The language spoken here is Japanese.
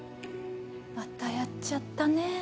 またやっちゃったね。